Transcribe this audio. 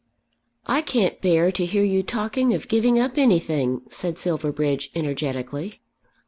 "I can't bear to hear you talking of giving up anything," said Silverbridge energetically.